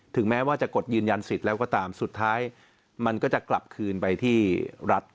แม้ว่าจะกดยืนยันสิทธิ์แล้วก็ตามสุดท้ายมันก็จะกลับคืนไปที่รัฐ